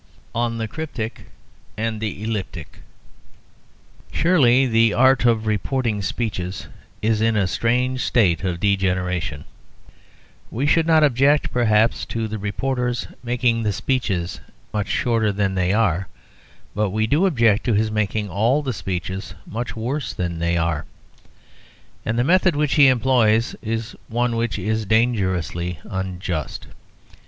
ON THE CRYPTIC AND THE ELLIPTIC Surely the art of reporting speeches is in a strange state of degeneration. We should not object, perhaps, to the reporter's making the speeches much shorter than they are; but we do object to his making all the speeches much worse than they are. And the method which he employs is one which is dangerously unjust.